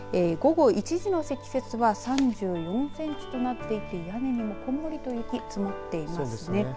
午後１時の積雪は３４センチとなっていて屋根にもこんもりと雪積もっていますね。